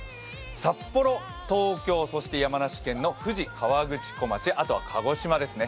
札幌、東京、そして山梨県の富士河口湖町、あとは鹿児島ですね。